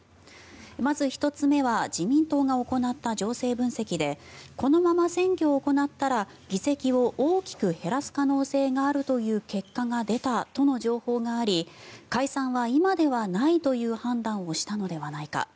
まず１つ目は自民党が行った情勢分析でこのまま選挙を行ったら議席を大きく減らす可能性があるという結果が出たという情報があり解散は今ではないという判断をしたのではないか。